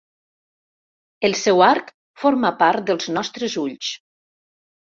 El seu arc forma part dels nostres ulls.